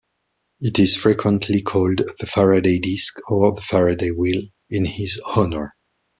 It is frequently called the Faraday disc or Faraday wheel in his honor.